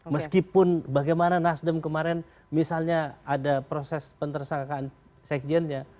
meskipun bagaimana nasdem kemarin misalnya ada proses pentersangkaan sekjennya